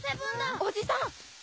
おじさん！